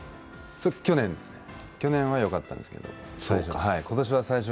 去年ですね、去年はよかったんですけど、最初。